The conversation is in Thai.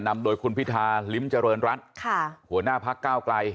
นำโดยคุณพิทาริมจริรันดรัสค่ะหัวหน้าภาคกล้าวไกล